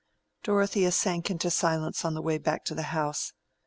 Dorothea sank into silence on the way back to the house.